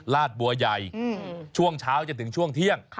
ลาดบัวใหญ่ช่วงเช้าจนถึงช่วงเที่ยง